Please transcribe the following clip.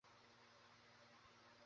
বেশ, তার দুটো ধারণাই সঠিক ছিল।